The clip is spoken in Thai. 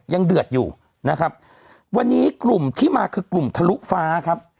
เดือดอยู่นะครับวันนี้กลุ่มที่มาคือกลุ่มทะลุฟ้าครับ